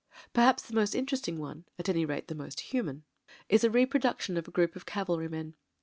Perhaps the most interesting one, at any rate the most human, is a 284 MEN, WOMEN AND GUNS "reproduction" of a group of cavalry men.